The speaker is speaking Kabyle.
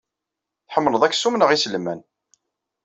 Tḥemmleḍ aksum neɣ iselman?